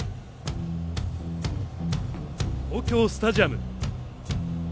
東京スタジアム。